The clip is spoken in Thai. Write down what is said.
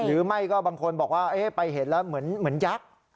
หรือไม่ก็บางคนบอกว่าไปเห็นแล้วเหมือนยักษ์